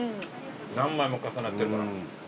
何枚も重なってるから。